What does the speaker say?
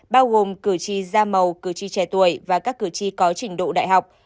bao gồm cử tri da màu cử tri trẻ tuổi và các cử tri có trình độ đại học